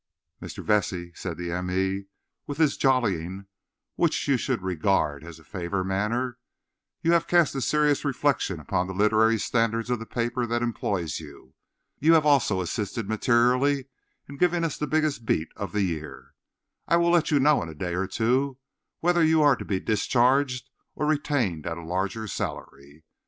"Mr. Vesey," said the m. e., with his jollying which you should regard as a favour manner, "you have cast a serious reflection upon the literary standards of the paper that employs you. You have also assisted materially in giving us the biggest 'beat' of the year. I will let you know in a day or two whether you are to be discharged or retained at a larger salary.